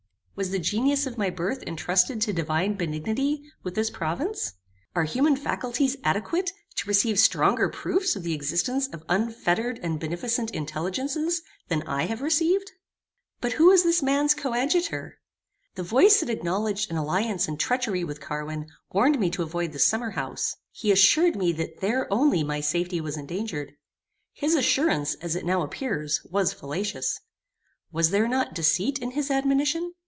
Was the genius of my birth entrusted by divine benignity with this province? Are human faculties adequate to receive stronger proofs of the existence of unfettered and beneficent intelligences than I have received? But who was this man's coadjutor? The voice that acknowledged an alliance in treachery with Carwin warned me to avoid the summer house. He assured me that there only my safety was endangered. His assurance, as it now appears, was fallacious. Was there not deceit in his admonition?